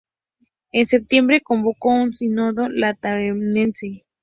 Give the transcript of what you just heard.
En septiembre, convocó un sínodo lateranense.